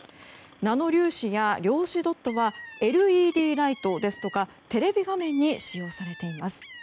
ナノ粒子や量子ドットはＬＥＤライトですとかテレビ画面に使用されています。